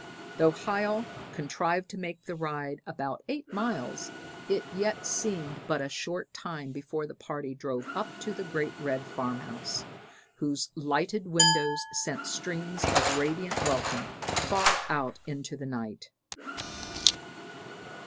Though Hiel contrived to make the ride about eight miles, it yet seemed but a short time before the party drove up to the great red farmhouse, whose lighted windows sent streams of radiant welcome far out into the night.